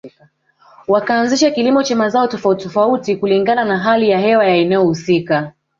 Wakaanzisha kilimo cha mazao tofauti tofauti kulingana na hali ya hewa ya eneo husika